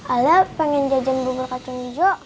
ala pengen jajan bubur kacung hijau